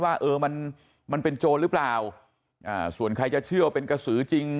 ว่าเออมันมันเป็นโจรหรือเปล่าอ่าส่วนใครจะเชื่อว่าเป็นกระสือจริง